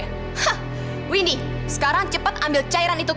hah windy sekarang cepat ambil cairan itu